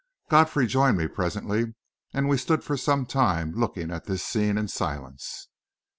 Godfrey joined me presently, and we stood for some time looking at this scene in silence.